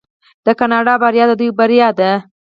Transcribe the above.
د کاناډا بریا د دوی بریا ده.